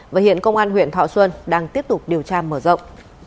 và hiện công an huyện thọ xuân đang tiếp tục điều tra mở rộng